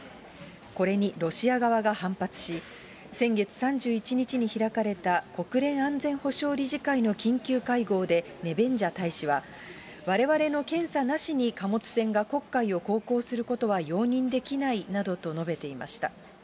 これにロシア側が反発し、先月３１日に開かれた国連安全保障理事会の緊急会合で、ネベンジャ大使は、われわれの検査なしに貨物船が黒海を航行することは容認できないなどと述べていました。